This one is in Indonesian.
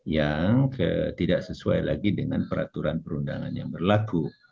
yang tidak sesuai lagi dengan peraturan perundangan yang berlaku